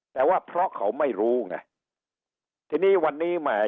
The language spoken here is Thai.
แต่ว่าเพราะเขาไม่รู้ไงทีนี้วันนี้แหม